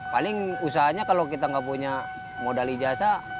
paling usahanya kalau kita nggak punya modal ijazah